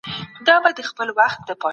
فساد کوونکي بايد مجازات سي.